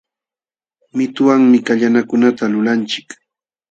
Mituwanmi kallanakunata lulanchik